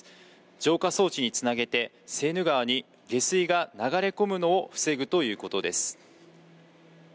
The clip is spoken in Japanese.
浄化装置につなげてセーヌ川に下水が流れ込むのを防ぐということです。